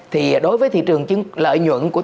thì đối với thị trường lợi nhuận